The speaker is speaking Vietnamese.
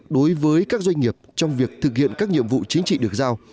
đối với các doanh nghiệp trong việc thực hiện các nhiệm vụ chính trị được giao